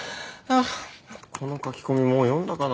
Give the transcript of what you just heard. この書き込みもう読んだかな？